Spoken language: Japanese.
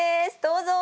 どうぞ。